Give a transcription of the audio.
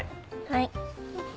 はい。